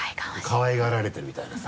かわいがられてるみたいなさ。